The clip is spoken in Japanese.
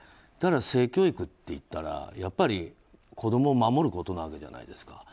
だから性教育っていったら子供を守ることなわけじゃないですか。